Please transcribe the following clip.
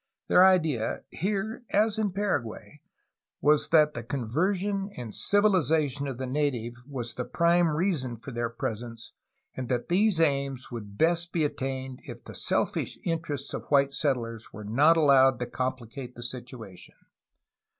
Their idea, here as in Paraguay, was that the conversion and civilization of the native was the prime reason for their presence and that these aims would best be attained if the selfish interests of white settlers were not allowed to complicate the situation.